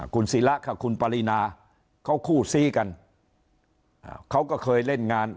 คุณศิระกับคุณปรินาเขาคู่ซีกันเขาก็เคยเล่นงาน